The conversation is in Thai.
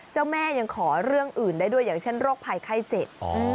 เจ้าแม่ยังขอเรื่องอื่นได้ด้วยอย่างเช่นโรคภัยไข้เจ็บ